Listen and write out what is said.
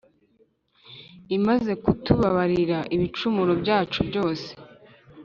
imaze kutubabarira ibicumuro byacu byose